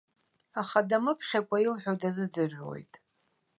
Аха дамыԥхьакәа илҳәо дазыӡырҩуеит.